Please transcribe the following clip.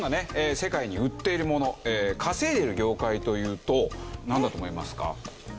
世界に売っているもの稼いでいる業界というとなんだと思いますか？